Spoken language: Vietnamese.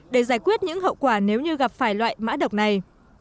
để giải quyết những hậu quả nếu như gặp phải loại mã độc này